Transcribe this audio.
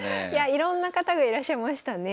いろんな方がいらっしゃいましたね。